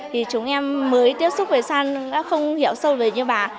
thì chúng em mới tiếp xúc với san đã không hiểu sâu về như bà